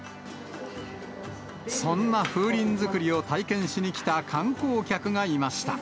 そんな風鈴作りを体験しにきた観光客がいました。